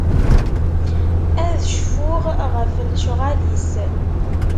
Ad cfuɣ ɣef lecɣal-is.